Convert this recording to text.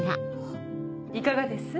いかがです？